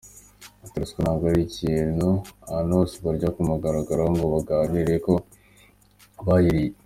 Ati “Ruswa ntabwo ari ikintu abantu barya ku mugaragaro ngo baganire ko bayiriye.